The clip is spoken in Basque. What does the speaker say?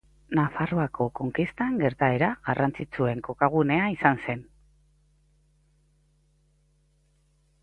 Nafarroako konkistan gertaera garrantzitsuen kokagunea izan zen.